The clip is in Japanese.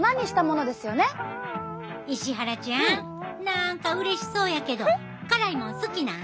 石原ちゃん何かうれしそうやけど辛いもん好きなん？